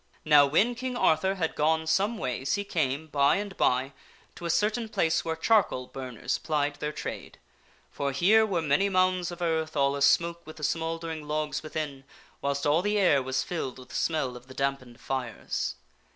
Now when King Arthur had gone some ways he came, by and by, to a certain place where charcoal burners plied their trade. For here were many mounds of earth, all a smoke with the smouldering logs within, whilst all the air was filled with the smell of the dampened fires.